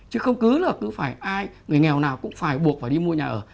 chứ không cứ là cứ phải ai người nghèo nào cũng phải buộc phải đi mua nhà ở